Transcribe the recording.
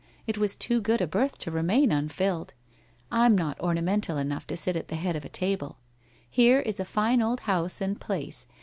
It was too good a berth to remain unfilled. I'm not ornamental enough to sit at the head of a table. Here is a fine old house and place.